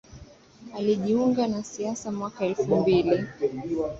Alijiunga na siasa mwaka elfu mbili